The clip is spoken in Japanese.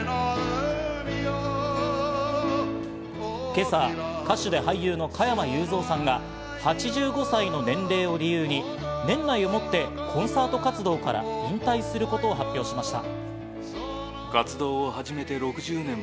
今朝、歌手で俳優の加山雄三さんが、８５歳の年齢を理由に年内をもってコンサート活動から引退することを発表しました。